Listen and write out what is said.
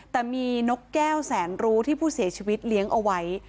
แต่มีนกแก้วแสนรู้ที่ผู้เสียชีวิตเลี้ยงเอาไว้